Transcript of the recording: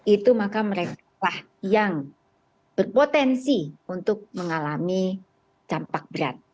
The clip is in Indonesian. itu maka mereka lah yang berpotensi untuk mengalami campak berat